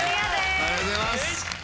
ありがとうございます。